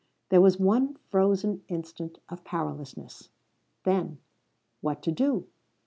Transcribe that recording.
There was one frozen instant of powerlessness. Then what to do?